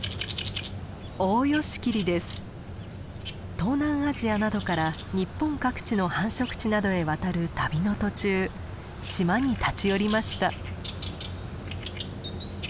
東南アジアなどから日本各地の繁殖地などへ渡る旅の途中島に立ち寄りました。